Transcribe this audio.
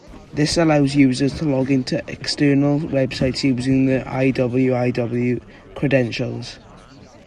This allowed users to log into external websites using their iWiW credentials.